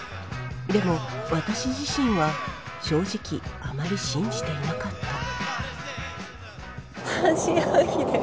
でも私自身は正直あまり信じていなかった半信半疑です。